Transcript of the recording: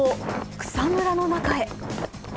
草むらの中へ。